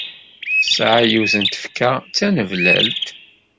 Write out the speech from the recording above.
Tesɛa yiwet n tfekka d taneblalt.